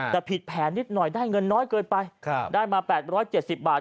แต่ผิดแผนนิดหน่อยได้เงินน้อยเกินไปได้มา๘๗๐บาท